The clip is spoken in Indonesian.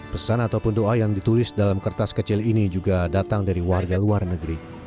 pesan ataupun doa yang ditulis dalam kertas kecil ini juga datang dari warga luar negeri